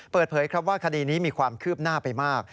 เปิดเผยครับว่าคดีนี้มีความคืบหน้าไปมาก